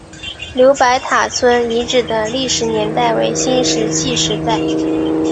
刘白塔村遗址的历史年代为新石器时代。